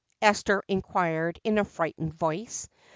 Esther inquired in a frightened voice.